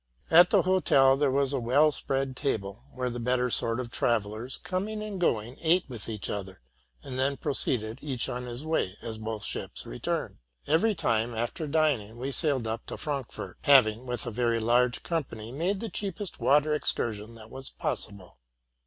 At a hotel there was a well spread table, where the better sort of travellers, coming and going, ate with each other, and then proceeded, each on his w ay, as both ships returned. Every time, after dining, we sailed up to Frankfort, having, with a very large company, made the cheapest water excursion that was possible.